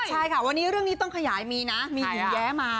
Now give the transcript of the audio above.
ใช่ค่ะวันนี้เรื่องนี้ต้องขยายมีนะมีหญิงแย้มา